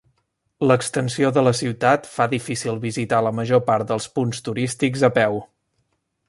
L'extensió de la ciutat fa difícil visitar la major part dels punts turístics a peu.